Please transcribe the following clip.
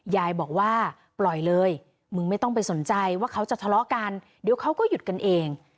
ยายบอกว่าปล่อยเลยมึงไม่ต้องไปสนใจว่าเขาจะทะเลาะกันเดี๋ยวเขาก็หยุดกันเอง